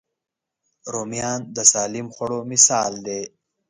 رومیان د سالم خوړو مثال دی